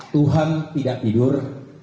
tuhan tidak tidur